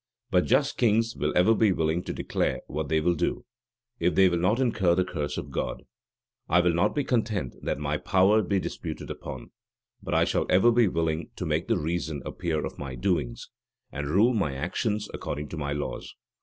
But just kings will ever be willing to declare what they will do, if they will not incur the curse of God. I will not be content that my power be disputed upon; but I shall ever be willing to make the reason appear of my doings, and rule my actions according to my laws."